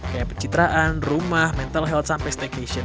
kayak pencitraan rumah mental health sampai stagnation